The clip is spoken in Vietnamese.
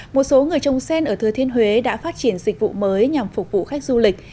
một số người trồng sen ở thừa thiên huế đã phát triển dịch vụ mới nhằm phục vụ khách du lịch